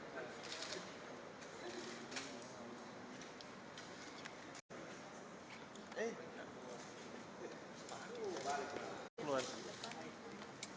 kalau kapori soal terima